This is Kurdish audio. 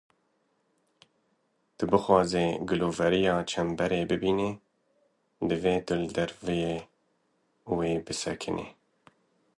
Tu bixwazî giloveriya çemberê bibînî, divê tu li derveyî wê bisekinî.